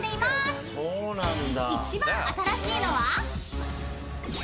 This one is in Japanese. ［一番新しいのは？］